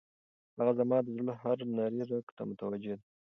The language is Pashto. هغه زما د زړه هر نري رګ ته متوجه ده.